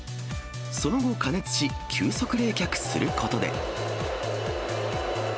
その後、加熱し、急速冷却することで。